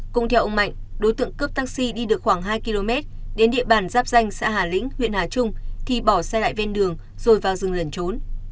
cũng theo ông mạnh đối tượng cướp taxi đi được khoảng hai km đến địa bàn giáp danh xã hà lĩnh huyện hà trung thì bỏ xe lại ven đường rồi vào rừng lẩn trốn